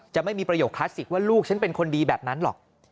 ไม่มีประโยคคลาสสิกว่าลูกฉันเป็นคนดีแบบนั้นหรอก